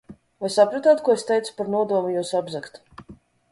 Vai sapratāt, ko es teicu par nodomu jūs apzagt?